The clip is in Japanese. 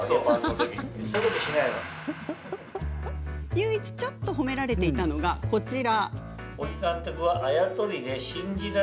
唯一、ちょっと褒められていたのがこちら。